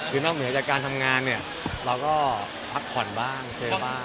คือนอกเหนือจากการทำงานเนี่ยเราก็พักผ่อนบ้างเจอบ้าง